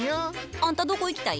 あんたどこ行きたい？